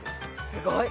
すごーい。